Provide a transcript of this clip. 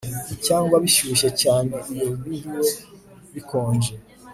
cyangwa bishyushye cyane Iyo biriwe bikonje